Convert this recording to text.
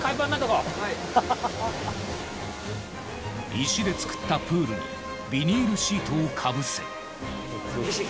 石で作ったプールにビニールシートをかぶせ。